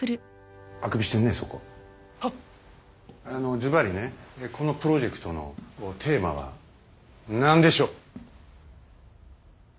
ずばりねこのプロジェクトのテーマは何でしょう？